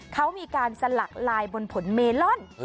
เขามีการสลักลายบนผลเมลอน